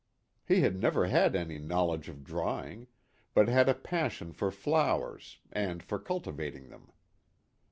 He had never had any knowledge of drawing, but had a passion for flowers, and for cultivating them.